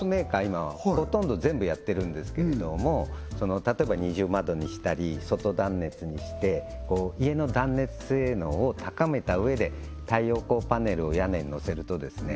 今ほとんど全部やってるんですけれども例えば二重窓にしたり外断熱にしてこう家の断熱性能を高めたうえで太陽光パネルを屋根にのせるとですね